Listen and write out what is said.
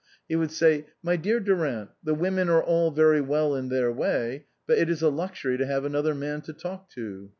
He would say, "My dear Durant, the women are all very well in their way, but it is a luxury to have another man to talk to."